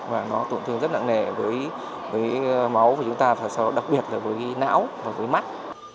và nó tổn thương rất nặng nề với máu và chúng ta đặc biệt là với não và với mắt